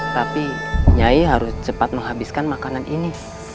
tapi nyai harus cepat menghabiskan makanan ini